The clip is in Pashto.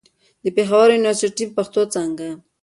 د پېښور يونيورسټۍ، پښتو څانګه